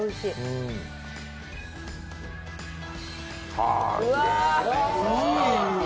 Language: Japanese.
はー、きれい。